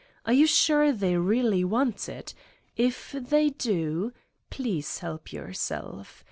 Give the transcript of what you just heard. Are you sure they really want it? If they do, please help yourself!